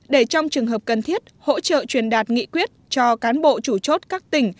để trong trường hợp cần thiết hỗ trợ truyền đạt nghị quyết cho cán bộ chủ chốt các tỉnh